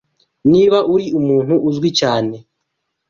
Niba uri umuntu uzwi cyane